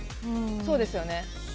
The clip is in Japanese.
そうですよね。